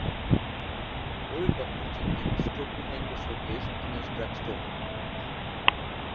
Old Dr. Jenkins stood behind the showcase in his drugstore.